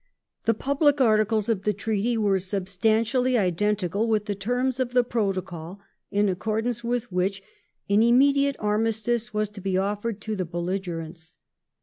The public articles of the Treaty were substantially identical with the terms of the Protocol, in accordance with which an " immediate armistice " was to be offered to the belligerents.